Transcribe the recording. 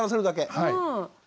はい。